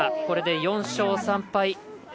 これで４勝３敗。